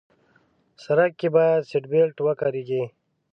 سړک کې باید سیټ بیلټ وکارېږي.